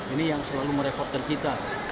ini yang selalu merepotkan kita